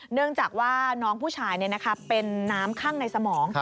เนื่องจากว่าน้องผู้ชายเป็นน้ำข้างในสมอง